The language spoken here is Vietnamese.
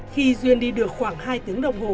khi duyên đi được khoảng hai tiếng đồng hồ